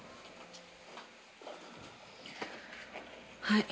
はい。